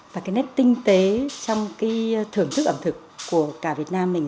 và cái nét tinh tế trong cái thưởng thức ẩm thực của cả việt nam mình